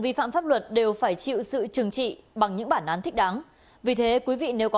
vi phạm pháp luật đều phải chịu sự trừng trị bằng những bản án thích đáng vì thế quý vị nếu có